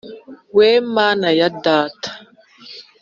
we Mana ya data